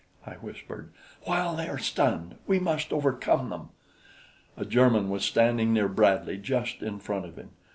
I whispered. "While they are stunned, we must overcome them." A German was standing near Bradley just in front of him.